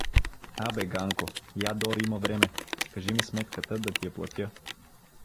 — А бе, Ганко, я, дор има време, кажи ми сметката, да ти платя.